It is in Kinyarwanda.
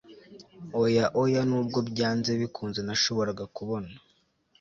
Oya oya Nubwo byanze bikunze nashoboraga kubona